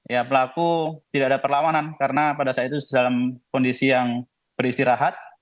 ya pelaku tidak ada perlawanan karena pada saat itu dalam kondisi yang beristirahat